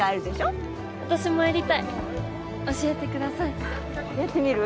オッ私もやりたい教えてくださいやってみる？